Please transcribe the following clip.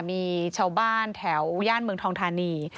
มีชาวบ้านแถวย่านเมืองทองทานี